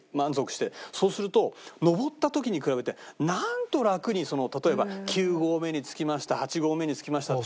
そうすると登った時に比べてなんと楽に例えば９合目に着きました８合目に着きましたって。